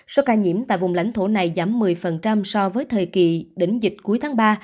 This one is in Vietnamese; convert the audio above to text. số ca nhiễm tại vùng lãnh thổ này giảm một mươi so với thời kỳ đỉnh dịch cuối tháng ba